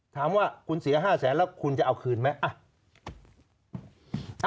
ถามว่าคุณเสีย๕แสนแล้วคุณจะเอาคืนไหม